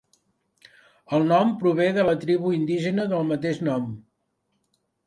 El nom prové de la tribu indígena del mateix nom.